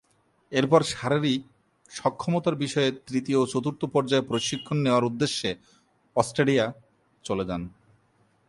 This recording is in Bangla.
এরপর, শারীরিক সক্ষমতার বিষয়ে তৃতীয় ও চতুর্থ পর্যায়ে প্রশিক্ষণ নেয়ার উদ্দেশ্যে অস্ট্রেলিয়া চলে যান।